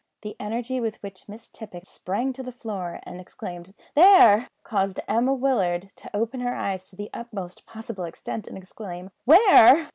The energy with which Miss Tippet sprang to the floor and exclaimed "There!" caused Emma Ward to open her eyes to the utmost possible extent, and exclaim, "Where?"